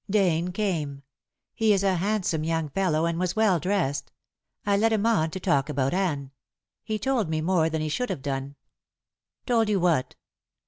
"Dane came. He is a handsome young fellow and was well dressed. I led him on to talk about Anne. He told me more than he should have done." "Told you what?"